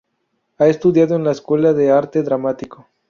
Ha estudiado en la Escuela de Arte Dramático.